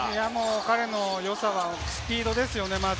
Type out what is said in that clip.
彼の良さはスピードです。